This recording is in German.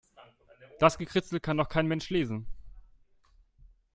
Das Gekritzel kann doch kein Mensch lesen.